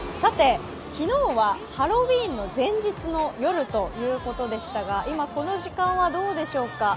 昨日はハロウィーンの前日の夜ということでしたが、今、この時間はどうでしょうか。